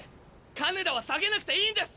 金田は下げなくていいんです。